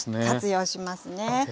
活用しますね。